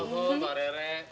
aduh mbak rere